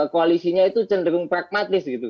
koalisinya itu cenderung pragmatis gitu